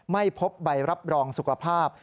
ไม่พบใบรับรองสุขภาพ